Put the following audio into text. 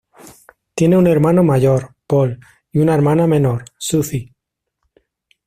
Tiene un hermano mayor, Paul y una hermana menor, Suzy.